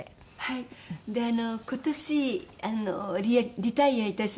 であの今年リタイアいたしまして。